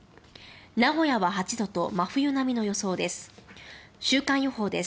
名古屋は８度と真冬並みの予想です。